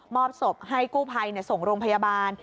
อบศพให้กู้ภัยส่งโรงพยาบาล